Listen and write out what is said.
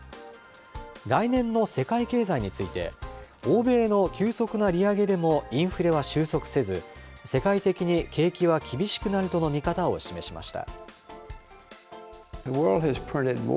来年の世界経済について、欧米の急速な利上げでもインフレは収束せず、世界的に景気は厳しくなるとの見方を示しました。